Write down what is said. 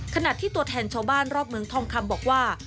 ขณะที่ตัวแทนชาวบ้านรอบเมืองทองคำบอกว่า